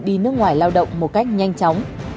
đi nước ngoài lao động một cách nhanh chóng